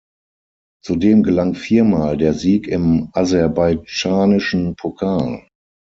Zudem gelang vier Mal der Sieg im aserbaidschanischen Pokal.